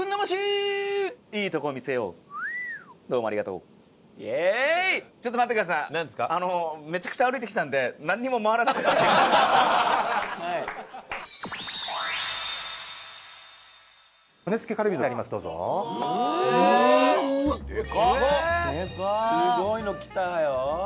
すごいのきたよ！